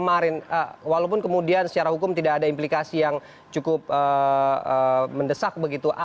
kemarin walaupun kemudian secara hukum tidak ada implikasi yang cukup mendesak begitu